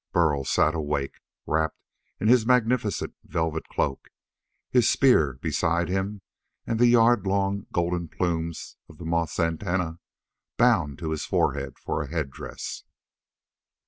Burl sat awake, wrapped in his magnificent velvet cloak, his spear beside him and the yard long golden plumes of a moth's antennae bound to his forehead for a headdress.